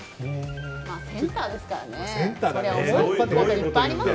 センターですからね。